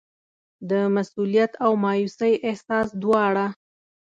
د مسوولیت او مایوسۍ احساس دواړه.